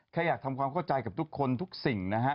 แค่อยากทำความเข้าใจกับทุกคนทุกสิ่งนะฮะ